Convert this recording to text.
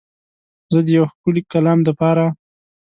زه د یو ښکلی کلام دپاره